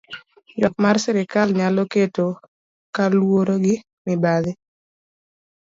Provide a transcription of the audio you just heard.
Ywak ma sirkal nyalo keto kaluwore gi mibadhi.